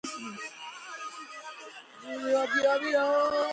აკრა გაშენებულია გვინეის ყურის სანაპირო ზოლში.